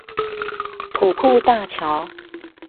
土庫大橋